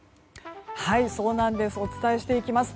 お伝えしていきます。